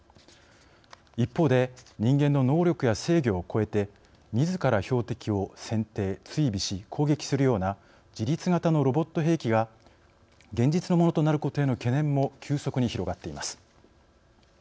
一方で人間の能力や制御を超えてみずから標的を選定、追尾し攻撃するような自律型のロボット兵器が現実のものとなることへの懸念も急速に広がっています。